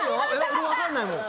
俺分かんないもん